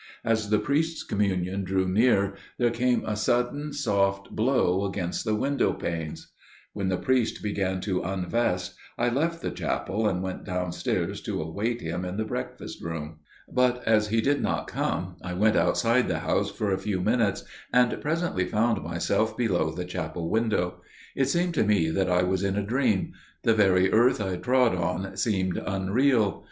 As the Priest's Communion drew near there came a sudden soft blow against the window panes.... When the priest began to unvest, I left the chapel and went downstairs to await him in the breakfast room. But as he did not come, I went outside the house for a few minutes, and presently found myself below the chapel window. It seemed to me that I was in a dream––the very earth I trod on seemed unreal.